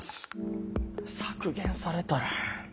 削減されたら。